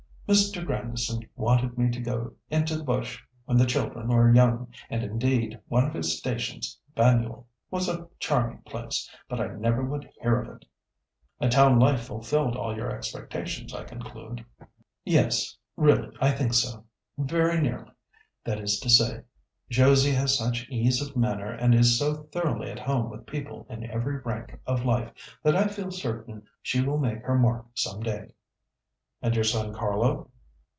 Mr. Grandison wanted me to go into the bush when the children were young; and indeed one of his stations, Banyule, was a charming place, but I never would hear of it." "A town life fulfilled all your expectations, I conclude." "Yes, really, I think so; very nearly, that is to say. Josie has such ease of manner and is so thoroughly at home with people in every rank of life that I feel certain she will make her mark some day." "And your son Carlo?"